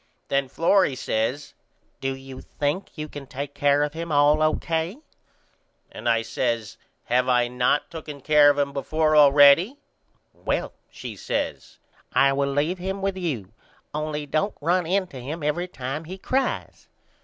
Then Florrie says Do you think you can take care of him all O.K.? And I says Have not I tooken care of him before allready? Well, she says, I will leave him with you only don't run in to him every time he cries.